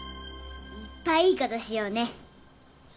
いっぱいいいことしようね。